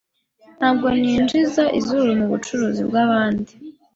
Ntabwo ninjiza izuru mubucuruzi bwabandi.